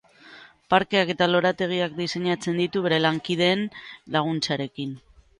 Parkeak eta lorategiak diseinatzen ditu bere lankideen laguntzarekin.